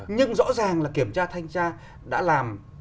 nhưng rõ ràng là kiểm tra thanh tra đã làm